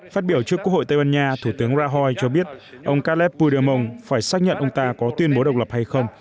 phát biểu trước quốc hội tây ban nha thủ tướng rajoy cho biết ông caglet pudermong phải xác nhận ông ta có tuyên bố độc lập hay không